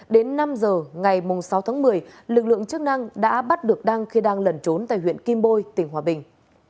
đến năm giờ ngày sáu tháng một mươi lực lượng chức năng đã bắt được đăng khi đang lẩn trốn tại huyện kim bôi tỉnh hòa bình